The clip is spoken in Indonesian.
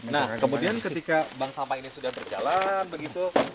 nah kemudian ketika bank sampah ini sudah berjalan begitu